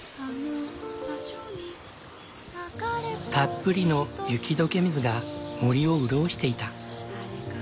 たっぷりの雪解け水が森を潤していた。